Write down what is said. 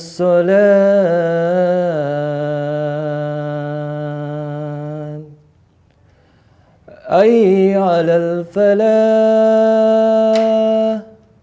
makasih ya pak